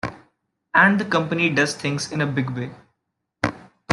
And the company does things in a big way.